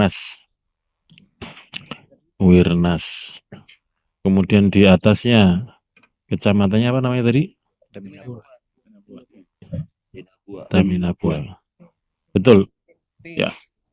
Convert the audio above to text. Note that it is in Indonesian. hai wirnas kemudian diatasnya kecamatannya namanya dari terminabua terminabua betul ya